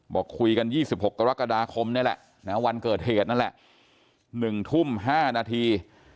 บอกคุยกัน๒๖กรกฎาคมนี่แหละนะวันเกิดเหตุนั่นแหละ๑ทุ่ม๕นาที